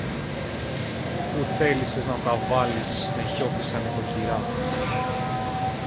Που θέλησες να τα βάλεις με χιώτισσα νοικοκυρά!